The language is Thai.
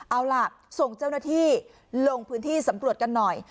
เอาล่ะส่งเจ้าหน้าที่ลงพื้นที่สำรวจกันหน่อย